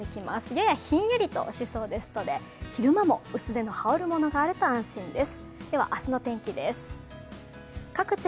ややひんやりとしそうですので、昼間も薄手の羽織るものがあると安心です。